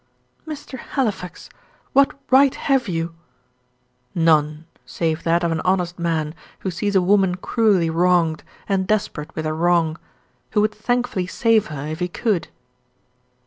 "Mr. Halifax, what right have you " "None, save that of an honest man, who sees a woman cruelly wronged, and desperate with her wrong; who would thankfully save her if he could."